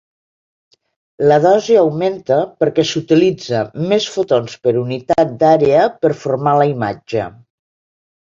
La dosi augmenta perquè s'utilitza més fotons per unitat d'àrea per formar la imatge.